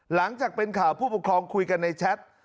หลังจากเป็นข่าวผู้ปกครองคุยกันในแชท